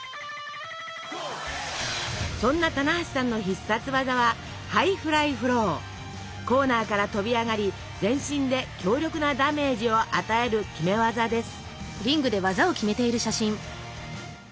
そんな棚橋さんの必殺技はコーナーから跳び上がり全身で強力なダメージを与える決め技です。